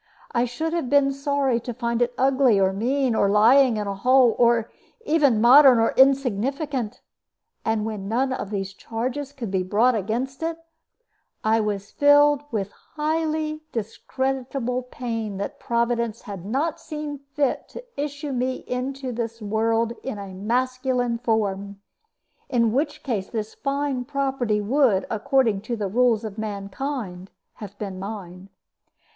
I should have been sorry to find it ugly or mean, or lying in a hole, or even modern or insignificant; and when none of these charges could be brought against it, I was filled with highly discreditable pain that Providence had not seen fit to issue me into this world in the masculine form; in which case this fine property would, according to the rules of mankind, have been mine.